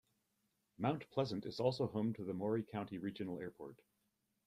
Mount Pleasant is also home to the Maury County Regional Airport.